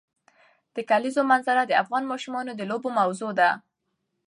د کلیزو منظره د افغان ماشومانو د لوبو موضوع ده.